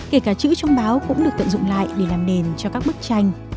kể cả chữ trong báo cũng được tận dụng lại để làm nền cho các bức tranh